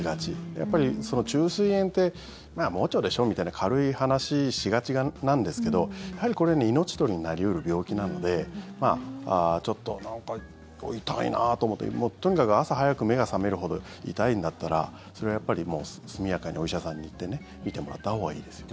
やっぱり虫垂炎って盲腸でしょみたいな軽い話しがちなんですけどやはり、これ命取りになり得る病気なのでちょっと、なんか痛いなと思ってとにかく朝早く目が覚めるほど痛いんだったらそれはやっぱり速やかにお医者さんに行ってね診てもらったほうがいいですよ。